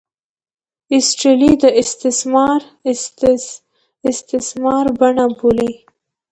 ایسټرلي دا د استثمار بڼه بولي.